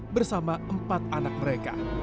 bersama empat anak mereka